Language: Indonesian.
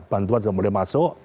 bantuan sudah mulai masuk